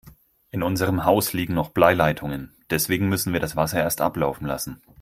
In unserem Haus liegen noch Bleileitungen, deswegen müssen wir das Wasser erst ablaufen lassen.